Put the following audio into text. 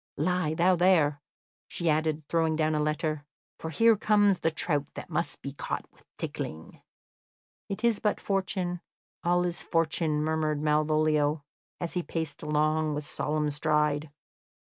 Lie thou there," she added, throwing down a letter, "for here comes the trout that must be caught with tickling." "It is but fortune all is fortune," murmured Malvolio, as he paced along with solemn stride.